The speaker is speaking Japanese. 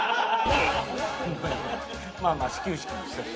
まあまあ始球式もしたし。